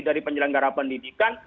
dari penjelanggara pendidikan